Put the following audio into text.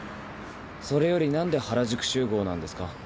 それよりなんで原宿集合なんですか？